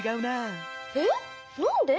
えっなんで？